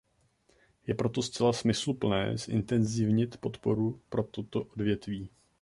Je proto zcela smysluplné zintenzívnit podporu pro toto odvětví.